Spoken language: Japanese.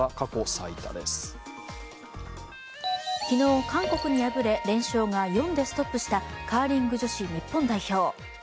昨日、韓国に敗れ連勝が４でストップしたカーリング女子日本代表。